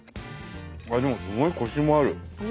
でもすごいコシもある。